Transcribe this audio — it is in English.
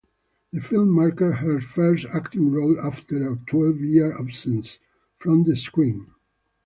The film marked her first acting role after a twelve-year absence from the screen.